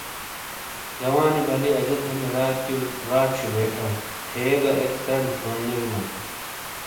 جوانی بالی اجہ تھالی راتیو راڇھی بیٹاں تھے گہ ایک ترنڈ تھیوننے بیلا ں۔